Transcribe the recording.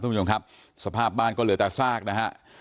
คุณผู้ชมครับสภาพบ้านก็เหลือแต่ซากนะฮะ